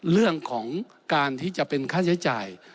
เรื่องของการที่จะเป็นค่าใช้จ่าย